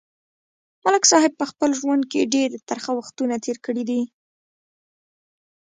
ملک صاحب په خپل ژوند کې ډېر ترخه وختونه تېر کړي دي.